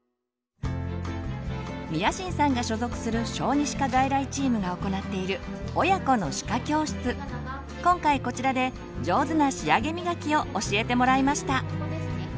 宮新さんが所属する小児歯科外来チームが行っている今回こちらで上手な仕上げみがきを教えてもらいました。